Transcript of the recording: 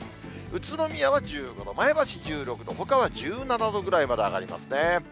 宇都宮は１５度、前橋１６度、ほかは１７度ぐらいまで上がりますね。